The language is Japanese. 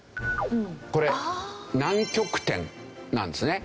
これ南極点なんですね。